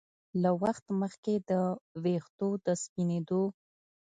له وخت مخکې د ویښتو د سپینېدو